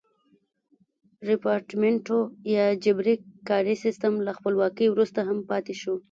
ریپارټمنټو یا جبري کاري سیستم له خپلواکۍ وروسته هم پاتې شو.